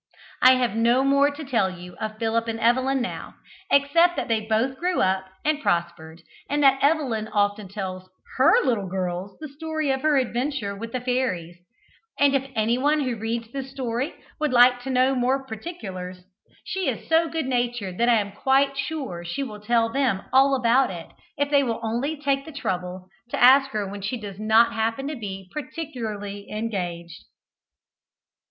I have no more to tell you of Philip and Evelyn now, except that they both grew up and prospered, and that Evelyn often tells her little girls the story of her adventure with the fairies; and if anyone who reads this story would like to know more particulars, she is so good natured that I am quite sure she will tell them all about it if they will only take the trouble to ask her when she does not happen to be particularly engaged.